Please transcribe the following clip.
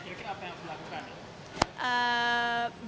oke akhirnya apa yang harus dilakukan